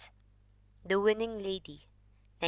The Winning Lady, 1909.